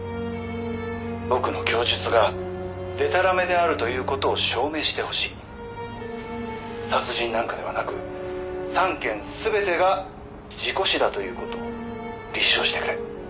「僕の供述がでたらめであるという事を証明してほしい」「殺人なんかではなく３件全てが事故死だという事を立証してくれ。